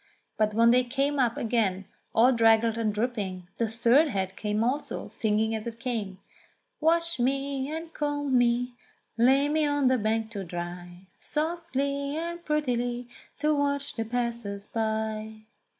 But when they came up again all draggled and dripping, the third head came also, singing as it came : "Wash me, and comb me, lay me on the bank to dry Softly and prettily to watch the passers by."